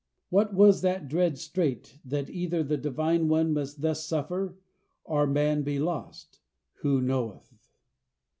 What was that dread strait that either the divine One must thus suffer, or man be lost, who knoweth?